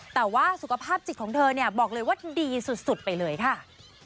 แต่ว่าสุขภาพจิตของเธอเนี่ยบอกเลยว่าดีสุดไปเลยค่ะ